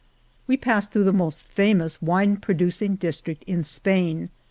We passed through the most famous wine producing district in Spain.